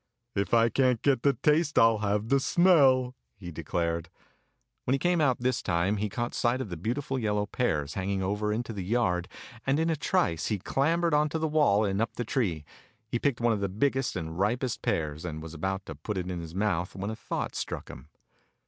"If I can't get the taste I 'll have the smell," he declared. When he came out this time he caught sight of the beautiful yellow pears hanging over into the yard, and in a trice he clam bered onto the wall and up the tree. He picked one of the biggest and ripest pears, and was about to put it in his mouth when a 108 Fairy Tale Bears thought struck him.